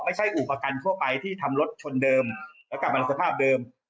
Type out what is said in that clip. ไม่ใช่อู่ประกันทั่วไปที่ทำรถชนเดิมและกับอันสภาพเดิม